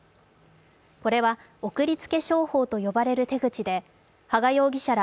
これは送りつけ商法と呼ばれる手口で羽賀容疑者ら